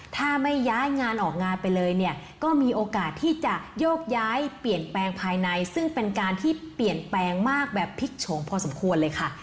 ถ้าไม่ย้ายงานออกงานไปเลยเนี่ยก็มีโอกาสที่จะโยกย้ายเปลี่ยนแปลงภายในซึ่งเป็นการที่เปลี่ยนแปลงมากแบบพลิกโฉงพอสมควรเลยค่ะ